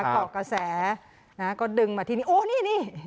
เกาะกระแสนะก็ดึงมาที่นี่โอ้นี่นี่